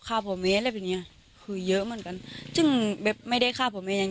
ค้าผัวเม้นอะไรแบบนี้คือเยอะเหมือนกันซึ่งไม่ได้ค้าผัวเม้นอย่าง